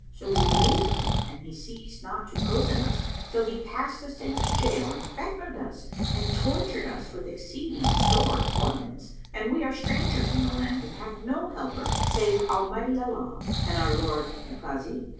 So we believed him and he ceased not to cozen us till he cast us into jail and fettered us and tortured us with exceeding sore torments; and we are strangers in the land and have no helper save Almighty Allah and our lord the Kazi."